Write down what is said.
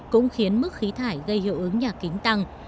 cũng khiến mức khí thải gây hiệu ứng nhà kính tăng